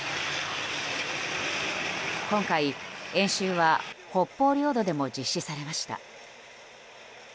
今回、演習は北方領土でも実施されました。